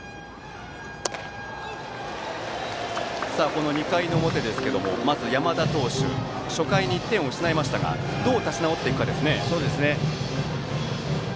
この２回の表、まず山田投手初回に１点を失いましたがどう立ち直っていくかです。